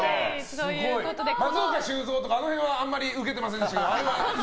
松岡修造とか、あの辺はあまりウケてませんでしたけど。